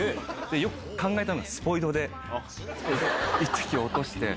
よく考えたのは、スポイトで一滴落として。